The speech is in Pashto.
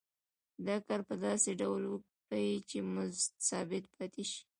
دا کار په داسې ډول وکړي چې مزد ثابت پاتې شي